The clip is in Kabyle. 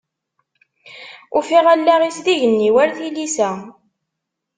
Ufiɣ allaɣ-is d igenni war tilisa.